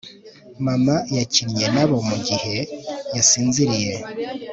mama yakinnye nabo mugihe wasinziriye